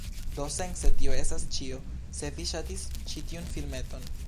Do sence tio estas ĉio, se vi ŝatis ĉi tiun filmeton